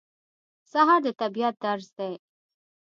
سهار د طبیعت درس دی.